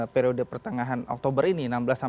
periode pertengahan oktober ini